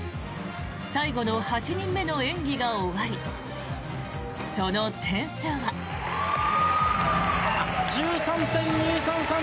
最後の８人目の演技が終わりその点数は。１３．２３３。